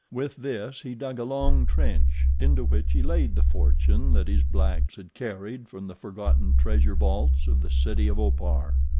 With this he dug a long trench, into which he laid the fortune that his blacks had carried from the forgotten treasure vaults of the city of Opar.